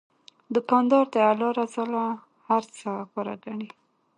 دوکاندار د الله رضا له هر څه غوره ګڼي.